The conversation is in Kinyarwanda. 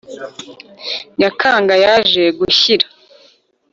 Nyakanga yaje gushyira